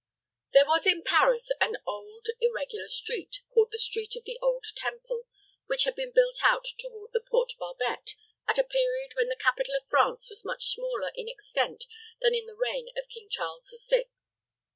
There was in Paris an old irregular street, called the Street of the Old Temple, which had been built out toward the Porte Barbette at a period when the capital of France was much smaller in extent than in the reign of King Charles the Sixth.